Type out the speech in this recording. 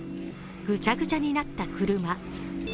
ぐちゃぐちゃになった車。